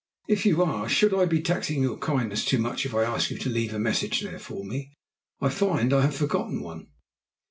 If you are, should I be taxing your kindness too much if I asked you to leave a message there for me? I find I have forgotten one."